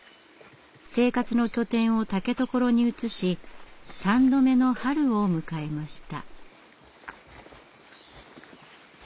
生活の拠点を竹所に移し３度目の春を迎えました。